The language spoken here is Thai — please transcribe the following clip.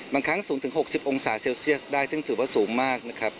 บางครั้งสูงถึง๖๐องศาเซลเซียสได้ซึ่งถือว่าสูงมากนะครับ